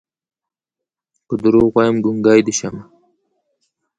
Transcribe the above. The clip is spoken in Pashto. که دروغ وايم ګونګې دې شمه